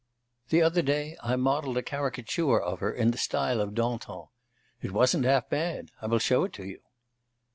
The other day I modelled a caricature of her in the style of Dantan. It wasn't half bad. I will show it you.